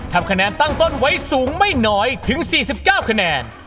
ทำคะแนนตั้งต้นไว้สูงไม่น้อยถึง๔๙คะแนน